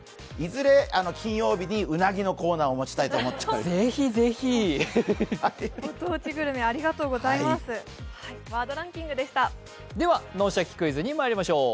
いずれ金曜日に、うなぎのコーナーを持ちたいと思っております。